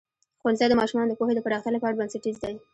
ښوونځی د ماشومانو د پوهې د پراختیا لپاره بنسټیز دی.